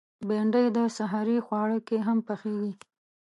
بېنډۍ د سحري خواړه کې هم پخېږي